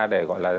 để gọi là